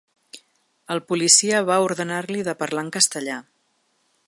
El policia va ordenar-li de parlar en castellà.